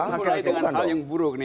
mulai dengan hal yang buruk nih